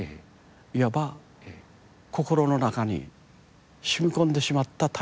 いわば心の中に染み込んでしまった体質。